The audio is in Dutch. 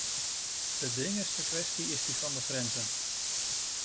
De dringendste kwestie is die van de grenzen.